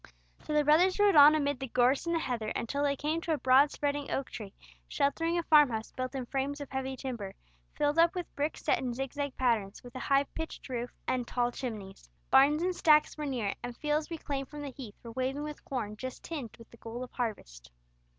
So the brothers rode on amid the gorse and heather till they came to a broad spreading oak tree, sheltering a farmhouse built in frames of heavy timber, filled up with bricks set in zigzag patterns, with a high pitched roof and tall chimneys. Barns and stacks were near it, and fields reclaimed from the heath were waving with corn just tinged with the gold of harvest.